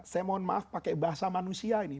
saya mohon maaf pakai bahasa manusia ini